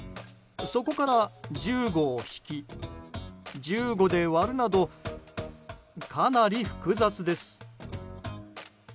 そこから１５を引き１５で割るなどかなり複雑です。